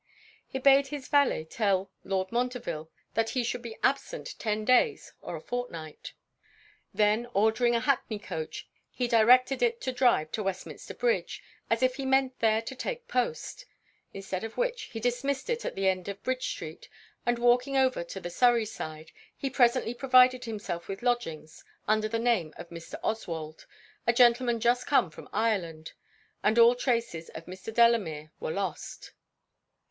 He bade his valet tell Lord Montreville that he should be absent ten days or a fortnight. Then ordering an hackney coach, he directed it to drive to Westminster Bridge, as if he meant there to take post: instead of which he dismissed it at the end of Bridge street; and walking over to the Surry side, he presently provided himself with lodgings under the name of Mr. Oswald, a gentleman just come from Ireland; and all traces of Mr. Delamere were lost.